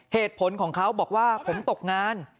เหตุผลของเขาบอกว่าผมตกงาน